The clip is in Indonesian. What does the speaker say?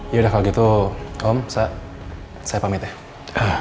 yaudah kalau gitu om saya pamit ya